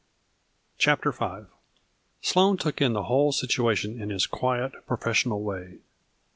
CHAPTER V. Sloane took in the whole situation in his quiet, professional way.